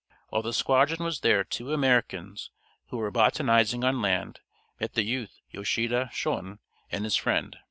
While the squadron was there two Americans, who were botanizing on land, met the youth Yoshida Shoin and his friend.